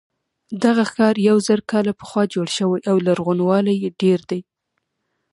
دغه ښار یو زر کاله پخوا جوړ شوی او لرغونوالی یې ډېر دی.